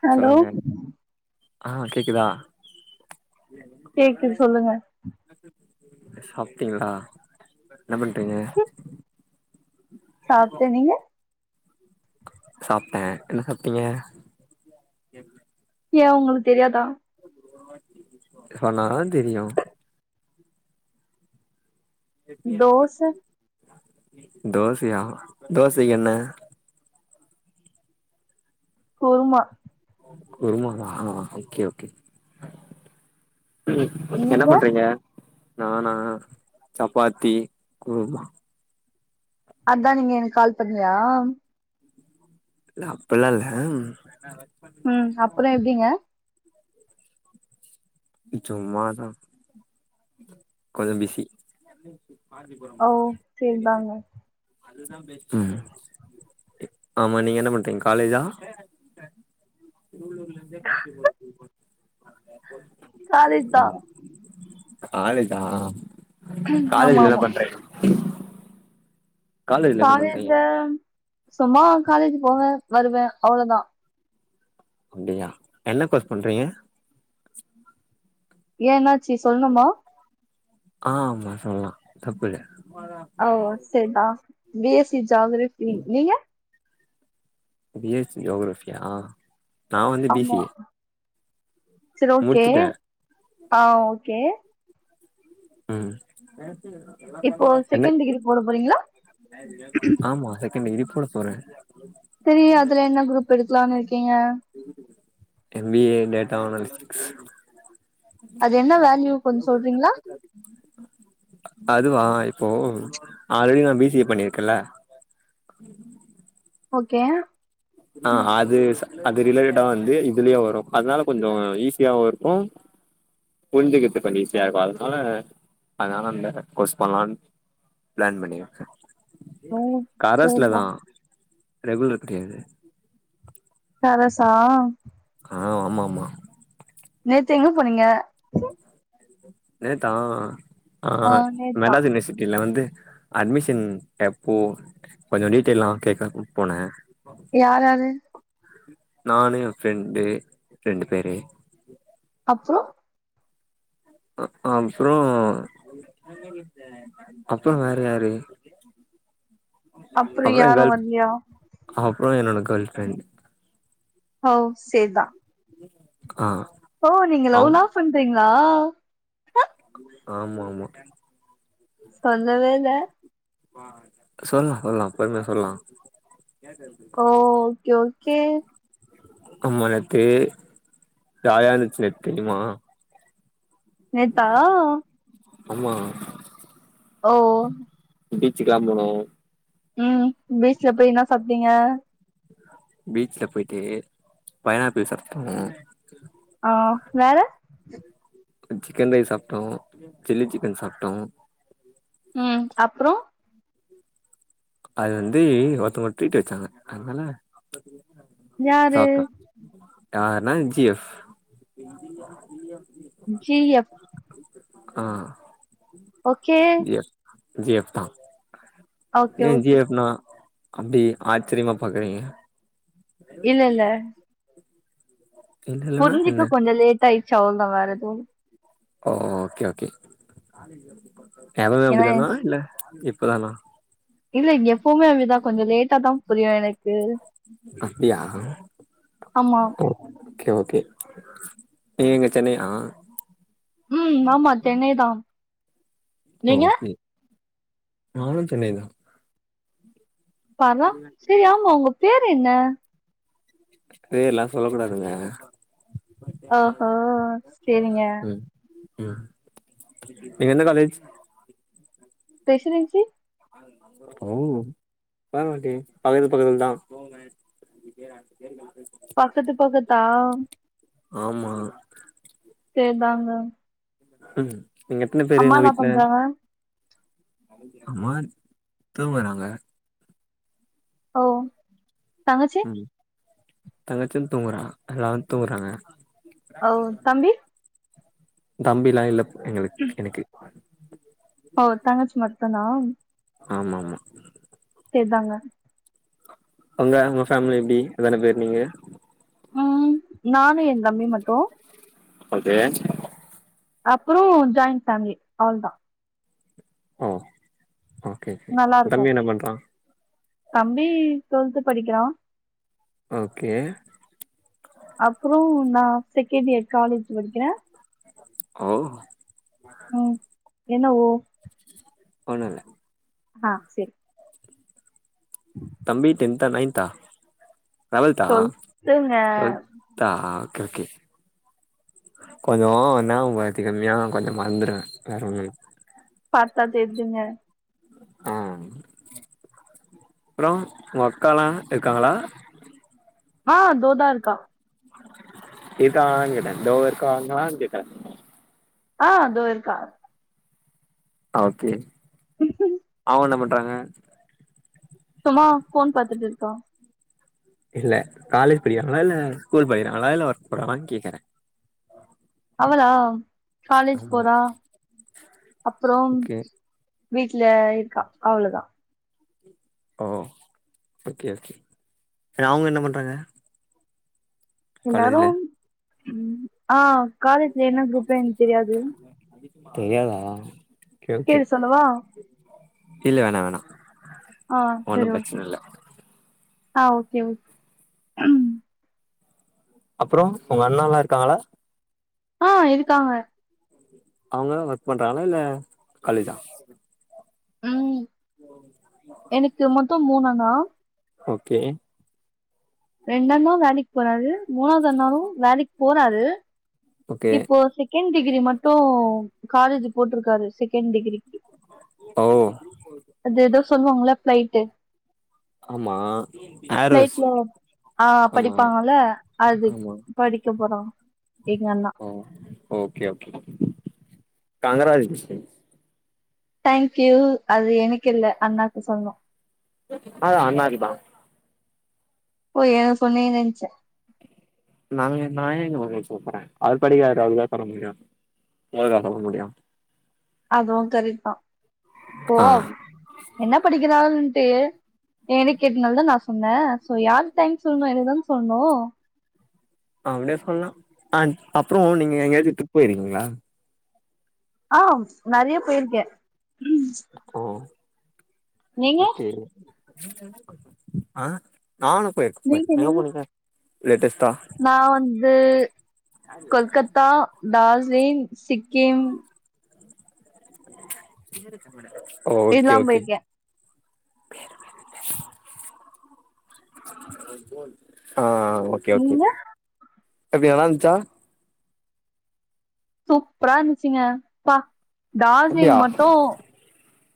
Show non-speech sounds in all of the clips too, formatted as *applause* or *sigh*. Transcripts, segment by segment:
Hello ஆஹ் கேக்குதா கேக்குது சொல்லுங்க சப்டிங்களா என்ன பண்றீங்க சாப்ட்டே நீங்க சாப்ட்டே என்ன சாப்டீங்க ஏன் உங்களுக்கு தெரியாதா சொன்னாதா தெரியும் தோச *inaudible* தோசையா தோசைக்கு என்ன குருமா குருமாதானா ஹ் ஒகே ஓகே உம் என்ன நீங்க பண்றீங்க நானா சப்பாத்தி குருமா அதான் நீங்க எனக்கு கால் பண்ணியா இ அப்பில்லா இல்ல உம் அப்புறோ எப்டிங்க சும்மா தா கொஞ்சோ பிசி ஓ செரிதாங்க உம் ஆமா நீங்க என்ன பண்றீங்க காலேஜா திருவள்ளூர்லெந்தே *inaudible* *inaudible* காலேஜ் தா காலேஜா ஆமா காலேஜ்ல என்ன ஆமா பண்றீங் என்ன காலேஜ்ல பண்றீங்க சும்மா காலேஜ் போவே வருவே அவ்ளோதா அப்டியா என்ன கோஸ் பண்றீங்க ஏன் என்னாச்சு சொல்ணுமா ஆஹ் ஆமா சொல்லா தப்பில்ல ஓ செரி தா பி எஸ் சி ஜாக்ரபி நீங்க பி எஸ் சி ஜாக்ரஃபியா நா வந்து B C A Sher okay முடிச்சுட்டே ஆஹ் ஓகே உம் இப்போ என்ன செகண்ட் டிகிரி போட போறீங்களா ஆமா இந்த இதுக்கூட *unintelligible* செரி அதுல என்னா குரூப் எடுத் லானு இருக்கீங்க M B A data analytics அது என்ன வேல்யூ கொஞ்சொ சொல்றீங்களா அதுவா இப்போ ஆல்ரெடி நா பி சி ஏ பண்ணிருக்கேல்ல ஓகே ஆ அது அது ரிலேட்டடா வந்து இதுலயு வரும் அதனால கொஞ்ச ஈஸியாவும் இருக்கும் புரிஞ்சிக்கறது கொஞ்ச ஈஸியா இருக்கும் அதனால அதனால அந்த கோர்ஸ் பண்லானு பிளான் பண்ணிருக்கே ஓ கரஸ்ல சேர்தா தா ரெகுலர் கிடையாது கரசா ஆ ஆமா ஆமா நேத்து எங்க போனீங்க நேத்தா ஆ ஆஹ் நேத்தா மெலாது யூனிவர்சிட்டில வந்து அட்மிஷன் எப்போ கொஞ்ச டீட்டெய்லாம் கேக்க போனே யாராரு நானு என் ஃப்ரெண்டு ரெண்டு பேரு அப்புற அப்புற அப்புற வேற யாரு அப்றோ அப்புற யாரு எங்கேர்ள் வர்லயா ஃப் அப்பற என்னோட கேர்ள் ஃப்ரண்ட் ஹ சேர்தா ஆ ஓ நீங்க அவ் லவ்லாப் பண்றீங்க ளா ஆமா ஆமா சொல்லவேல சொல்லலா சொல்லலா பொறுமையா சொல்லலா ஓகே ஓ கே முந்தா நேத்து ஜாயாந்துச்சு தெரியுமா நேத்தா ஆமா ஓ பீச்சுக்லா போனும் உம் பீச்சில போய் இனா சாப் அப்டிங்க பீச்ல போயிட்டு பைனாப்பிள் சாப்ட ஆஹ வேற சிக்கன் ரைஸ் சாப்ட்டோம் சில்லி சிக்கன் சாப்ட்டோம் உம் அப்புறம் அது வந்து ஒருத்தங்க ட்ரீட் வச்சாங்க அதனால யாரு யருனா ஜி எப் ஜி எப் ஆஹ் ஓகே ஜி எப் தா ஓகே ஏன் ஜி ஓகே எப் னா அப்படி ஆச்சரியமா பாக்குறீங்க இல்ல இல்ல இல்ல இல்லன்னா புரிஞ்சுக்க என்ன கொஞ்சம் லேட் ஆயிடுச்சு ச்சா அவ்ளுதா வேற எதும் ஓ ஓகே ஓகே *unintelligible* ஏன்னா அப்டிதானா இல்ல *unintelligible* இல்ல இங்க எப்பவுமே அப்டிதான் கொஞ்ச லேட்டா தான் புரியாணக் அப்டியா ஆமா கர் கே ஓகே நீ எங்க சென்னையா ஹ்ம்ஆமா சென்னை தான் நீங்க ஓகே நானு சென்னைதான் பார்ரா சரி ஆமா உங்க பேர் என்ன பேர்ல்லாம் சொல்ல கூடாதுங்க ஆஹா செரிங்க ஹ்ம்ம் நீங்க எந்த காலேஜ் ப்ரெசிடெண்ட்சி ஓ வாங்க ஒருவாட்டி பக்கத்து பக்கதுலதா பக்கத்து பக்கத் தா ஆமா சேரிதாங்க ம் நீங்க எத்தன பேரு உங்க வீட்ல பண்றாங்க அம்மா தூங்கறாங்க ஓ தங்கச்சி தங்கச்சியும் தூங்குறா எல்லாரும தூங்குறாங்க ஓ தம்பி தம்பிலா இல்ல எங்களுக் எனக்கு ஓ தங்கச்சி மட்டுதானா ஆமாமா சேரிதாங்க அங்க உங்க ஃபேமிலி எப்டி எத்தன பேரு நீங்க ம் நானு எ தம்பி மட்டு ஓகே அப்பற ஜாயின் ஃபேமிலி அவ்ளதா ஒ ஓகே கே நல்லா தம்பி இருக்கும் என்ன பண்றா தம்பி டுவெல்த்து படிக்கிறா ஓகே அப்றோ நா செகண்ட் இயர் காலேஜ் படிக்கிறே ஓ என்ன ஓ ஒன்னுல்ல ஆ செரி தம்பி டென்த்தா நைன்த்தா லெவல்த்தா சொல்ட்டுங்க ட்வல்த்தா கே கே கொஞ்ச நாபக மறதி கம்மியா கொஞ்ச மறந்துருவ வேற ஒண்ணு இல் பாத்தா தெர்துங்க ஆ அப்ற உங்கக்காலா இருக்காங்களா ஆ தோதா இருக்கா இருக்காங்களான் கேட்ட தோ இருக்காங்களான் கேக்கல ஆ தோ இருக்கா ஓகே ஆவன பட் பாங்க சும்மா ஃபோன் பாத்துட்டு இருக்கா இல்ல காலேஜ் படிக்கிறாங்களா இல்ல ஸ்கூல் படிக்கிறாங்களா இல்ல ஒர்க் போறாங்களான் கேக்குறேன் அவளா காலேஜ் ஆமா போறா அப்புறோம் ஓகே வீட்ல இருக்கா அவ்ளதா ஓ ஓகே ஓகே சேர் அவ்ங்க என்ன பண்றாங்க காலேஜ்ல எல்லாரும் ம் ஆ குரூப் காலேஜ்ல வேற என்ன குரூப்னு எனக்கு காலேஜ் தெரியாது *unintelligible* எப்டி தெரியாதா ஓகே கே ஓகே சொல்லவா இல்ல வேணா வேணா ஆ சரி ஒன்னும் ஓகே பிரச்சன இல்ல ஆ ஓகே ஒ உம் அப்புறோம் ஒங்க அண்ணலா இருக்காங்களா ஆ இருக்காங்க அவ்ங்களா ஒர்க் பண்றாங்களா இல்ல காலேஜா ம் எனக்கு மொத்தம் மூணா னா ஓகே ரெண்ட் நாள்தா வேலைக்கு போனாரு மூணாவது நாளு வேலைக்கு போறாரு ஓகே இப்போ செகெண்ட் டிகிரி மட்டு காலேஜ் போட்ருக்காரு செகெண்ட் டிகிரிக்கி ஓ அது ஏதோ சொல்வாங்ல ஃப்ளைட்டு ஆமா ஏர்ஹோஸ் ஆ ஆமா படிப்பாங்கல்ல அது ஆமா படிக்க போறா எங்க அண்ணா ஆமா ஓகே ஓகே கங்கராஜ்லேஷன்ஸ் தேங்க்யூ, அது எனக்கில்ல அண்ணாக்கு சொல்ணு ஆ அண்ணாக்கு தா ஓ எனக்கு சொன்னிங்கன் நென்ச்ச நாங் நா ஏங்க உங்களுக்கு சொல்ல போறே அவர் படிக்கிறாரு அவருக்குதா சொல்ல முடியு உங்களுக்கா சொல்ல முடியு அதுவு கரெக்ட்தா ஆ ஓவ் என்ன படிக்கிறாரு டு எனக் கேட்னால தா நா சொன்னே ஷோ யாருக்கு தேங்க்ஸ் சொல்னே எனக்குதானே சொல்னு அப்டியே சொன்னா அப்றோ நீங்க எங்கெயாது ட்ரிப் போறிங்க ங்ளா ஆஹ் நெறைய போயிருக்கே ஓ நீங்க ஓகே ஆஹ் நானு போயிருக்கே நீங்க போயிர்க் எங்க நீங்க போனிங்க லேட்டஸ்ட் நா வந்து கொல்கத்தா டார்ஜிலிங், சிக்கிம் ஓகே இதெல்லா ஓகே போயிருக்கே ஆஹ் ஆஹ் ஓகே நீங்க ஓகே எப்டி நல்லா இருந்த்ச்சா? சூப்பரா இருந்திச்சிங்க ப்பா டார்ஜிலிங் அப்டியா மட்டு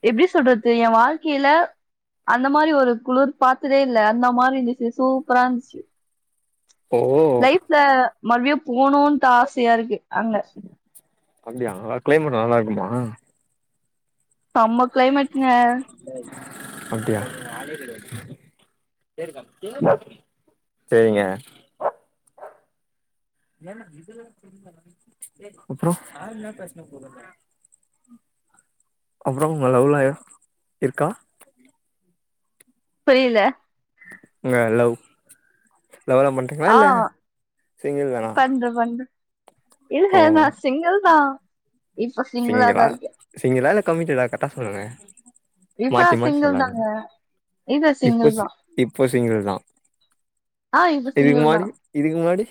எப்டி சொல்றது ஏ வாழ்க்கையில அந்த மாரி ஒரு குளுர் பாத்ததே இல்ல. அந்த மாரி இருந்துச்சு சூப்பரா இருந்துச்சு ஓ லைஃப்ல மறுபடியு போணுன்ட் ஆசையா இருக்கு அங்க அப்டியா, நல்லா கிளைமேட் நல்லாருக்மா? செம்ம கிளைமேட்ங்க அப்டியா சேரிங்க அப்றம் அப்றம் உங்க லவ்லாயா இருக்கா புரியில உங்க லவ் லவ்ளா பண்றீங்ளா ஆ இல்ல சிங்கிள் தானா பண்றேன் பண்றேன். ஓ இல்ல நான் சிங்கில் தான் இப்ப சிங்கிளா தான் இருக்கேன். சிங்கிளா இல்ல கமிட்டடா கரட்டா சொல்லுங்க இப்ப மாத்தி நான் மாத்தி சிங்கிள் தாங்க. சொல்லாதீங்க இப்ப இப்போ சிங்கிள் சி தான். இப் இப்ப சிங்கிள் தான் ஆ இப்ப இதுக்கு சிங்கிள் முன்னாடி தான். இதுக்கு முன்னாடி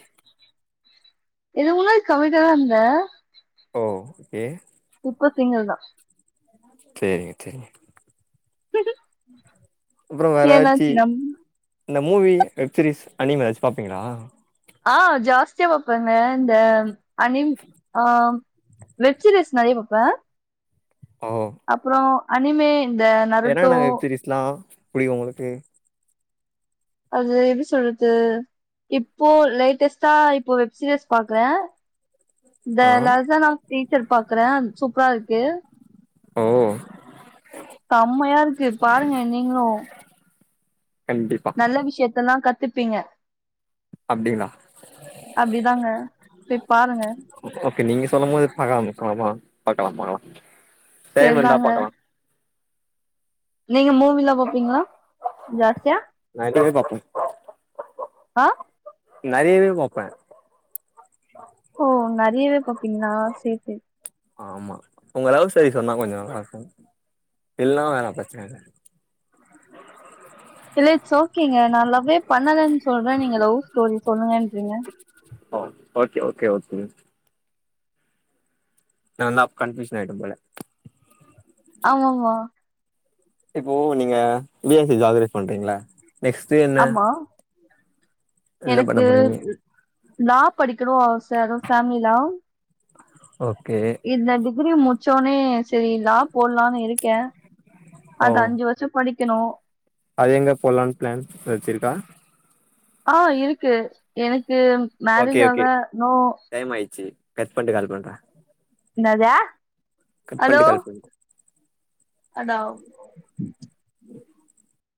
இதுக்கு முன்னாடி கமிட்டடா இருந்தே ஓ ஓகே இப்ப சிங்கிள் தான் சேரிங்க சேரிங்க உஹம்ம் அப்றம் வேர ஏதாச்சி இந்த மூவி வெப்சீரிஸ் அணிம் ஏதாச்சு பாப்பீங்களா ஆஹ் ஜாஸ்தியா பாப்பேங்க இந்த அனிம் ஆஹ் வெஜ் சிரீஸ் நறைய பாப்பேன் அப்பறம் அனிமே இந்த நருட்டோ எரென்ன சிரீஸ்லாம் எப்டி உங்களுக்கு அது எப்படி சொல்றத்து இப்போ லேட்டஸ்ட்டா இப்போ வெப்சீரிஸ் பாக்குறேன் இந்த ஆ லசானா ஸ்பீக் சர் பாக்குறேன் சூப்ரா இருக்கு ஓ செம்மையா இருக்கு பாருங்க நீங்களும் கண்டிப்பா நல்ல விஷயத்தல்லாம் கத்து பீங்க அப்படிங்களா போய் பாருங்க ஓகே நீங்க சொல்லும் போது பாக்காம இருப்போமா பாக்கலா பாக்கலாம் டைம் இருந்த சரிதாங்க பாக்கலாம் நீங்க மூவிலா பாப்பீங்களா ஜாஸ்தியா எல்லாமே பாப்போ ஆஹ நறையவே பாப்பேன் ஓ நறையவே பாப்பீங்களா சேர் செரி ஆமா உங்க லவ் ஸ்டோரி சொன்னா கொஞ்சம் நல்லாருக்கும் இல்ணா பிரச்சன இல்ல இல்ல இட்ஸ் ஓகேங்க நா லவ்வெ பண்ணலன்னு சொல்றே நீங்க லவ் ஸ்டோரி சொல்லுங்கன்றீங்க ஒ ஓகே ஓகே ஓகே நல்லா கன்பியுஷன் ஆயிடு போல ஆமாம்மா இப்போ நீங்க *unintelligible* பண்றீங்களா நெக்ஸ்டு என்ன ஆமா என்ன பண்ண எனக்கு போறீங்க லா படிக்கணு ஆச அதுவ் ஃபேமிலிலா ஓகே டிகிரி முச்சோனே சரி லா போட்லான்னு இருக்கே ஓ அது அஞ்சு வருஷோ படி க்கணு அது எங்க போலான்னு பிளான் வச்சுருக்க அ இருக்கு எனக் எனக்கு ஓகே ஓகே மேரேஜ்ஜாக நோ டைம் ஆயிடுச்சு கட் பண்ட்டு கால் பண்றே இன்னாது கட் பண்ட்டு கால் பன்னு அதாவ்